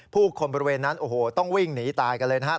ผู้คนบริเวณนั้นโอ้โหต้องวิ่งหนีตายกันเลยนะครับ